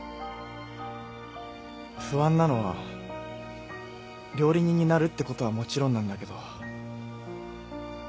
不安なのは料理人になるってことはもちろんなんだけど。